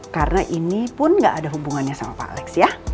karena ini pun gak ada hubungannya sama pak alex ya